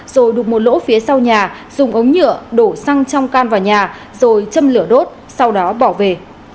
rồi đục một lỗ phía sau nhà dùng ống nhựa đổ xăng trong can vào nhà rồi châm lửa đốt sau đó bỏ về